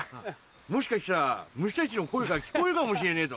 もしかしたら虫たちの声が聞こえるかもしれねえぞ。